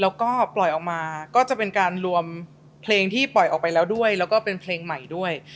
แล้วก็ปล่อยออกมาก็จะเป็นการรวมเพลงที่ปล่อยออกไปแล้วด้วยแล้วก็เป็นเพลงใหม่ด้วย